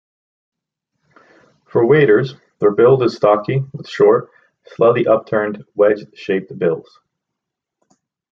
For waders their build is stocky, with short, slightly upturned, wedge shaped bills.